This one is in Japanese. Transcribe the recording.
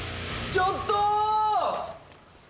ちょっと！